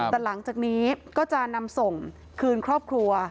แต่หลังจากนี้ก็จะนำส่งคืนครอบครัว